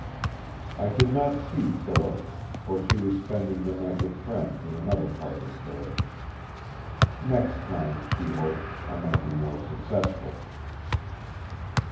I could not see Phyllis, for she was spending the night with friends in another part of the village. Next time, she hoped, I might be more successful.